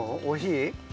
おいしい？